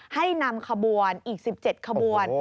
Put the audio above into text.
ให้นำขบวนอีก๑๗ขบวน